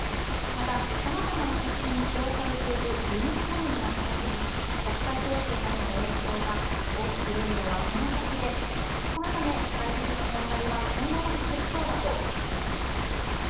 またさまざまな食品に使用されている輸入小麦の価格に国際情勢などの影響が大きく出るのはこの先でこのため外食の値上がりは今後も続きそうだと話していました。